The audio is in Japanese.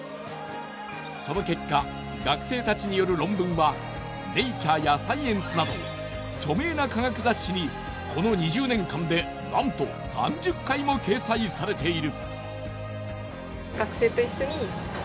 その結果学生たちによる論文は「ｎａｔｕｒｅ」や「Ｓｃｉｅｎｃｅ」など著名な科学雑誌にこの２０年間でなんと３０回も掲載されている。